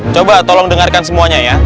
coba tolong dengarkan semuanya ya